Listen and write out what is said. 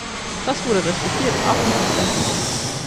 Das wurde respektiert, auch von Präsident Putin.